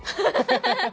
ハハハハ！